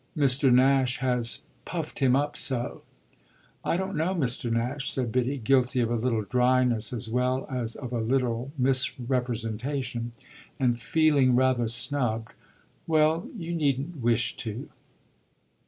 "Mr. Nash has puffed him up so." "I don't know Mr. Nash," said Biddy, guilty of a little dryness as well as of a little misrepresentation, and feeling rather snubbed. "Well, you needn't wish to."